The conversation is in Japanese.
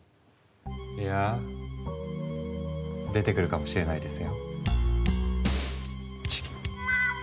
いや出てくるかもしれないですよチゲ。